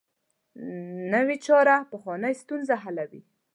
نوې چاره پخوانۍ ستونزه حلوي